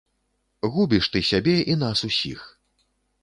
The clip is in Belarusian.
Губіш ты сябе і нас усіх.